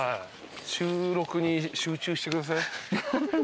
収録に集中してください。